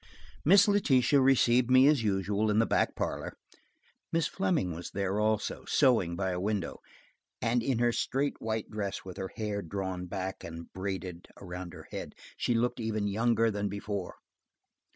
Miss Letitia received me as usual, in the back parlor. Miss Fleming was there also, sewing by a window, and in her strait white dress with her hair drawn back and braided around her head, she looked even younger than before.